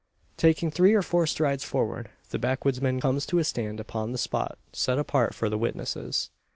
Taking three or four strides forward, the backwoodsman comes to a stand upon the spot set apart for the witnesses.